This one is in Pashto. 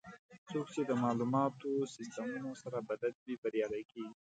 څوک چې د معلوماتي سیستمونو سره بلد وي، بریالي کېږي.